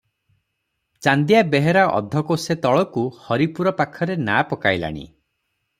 ଚାନ୍ଦିଆ ବେହେରା ଅଧକୋଶେ ତଳକୁ ହରିପୁର ପାଖରେ ନାଆ ପକାଇଲାଣି ।